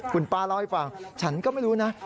คุณป้าเล่าให้ฟังฉันก็ไม่รู้นะ